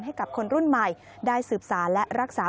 ให้กับคนรุ่นใหม่ได้สืบสารและรักษา